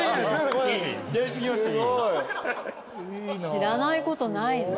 知らないことないの？